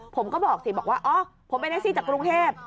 ผมก็บอกสิบอกว่าอ๋อผมเป็นแท็กซี่จากกรุงเทพ